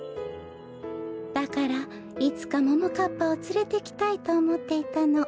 だからいつかももかっぱをつれてきたいとおもっていたの。